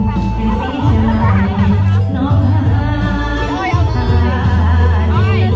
วินีชัยน้องหาดูม